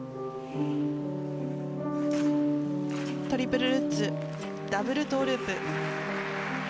トリプルルッツダブルトウループ。